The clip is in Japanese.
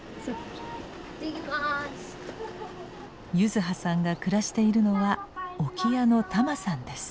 柚子葉さんが暮らしているのは置屋の多麻さんです。